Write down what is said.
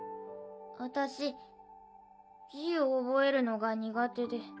あたし字を覚えるのが苦手で。